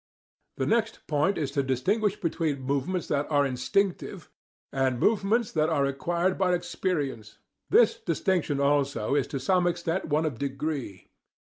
The next point is to distinguish between movements that are instinctive and movements that are acquired by experience. This distinction also is to some extent one of degree.